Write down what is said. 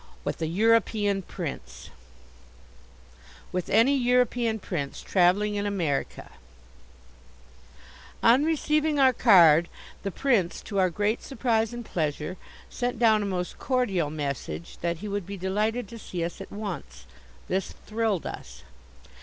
WITH A EUROPEAN PRINCE With any European Prince, travelling in America On receiving our card the Prince, to our great surprise and pleasure, sent down a most cordial message that he would be delighted to see us at once. This thrilled us.